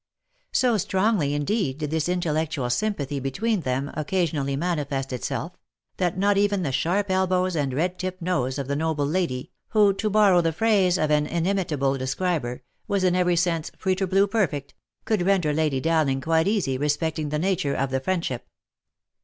So strongly indeed did this intellectual sympathy between them occasionally manifest itself, that not even the sharp elbows and red tipped nose of the noble lady, who, to borrow the phrase of an inimitable describer, was in every sense " preter blve perfect," could render Lady Dowling quite easy respecting the nature of the friendship.